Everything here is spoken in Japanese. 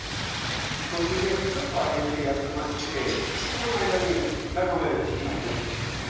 途中でちょっと上げて休ましてこの間に中まで火が通っていきますね。